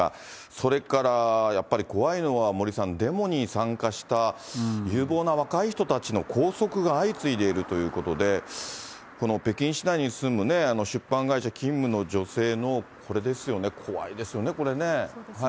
それからやっぱり怖いのは、森さん、デモに参加した有望な若い人たちの拘束が相次いでいるということで、この北京市内に住むね、出版会社勤務の女性のこれですよね、怖いですよね、これね。